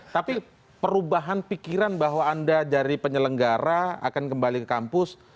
tapi perubahan pikiran bahwa anda dari penyelenggara akan kembali ke kampus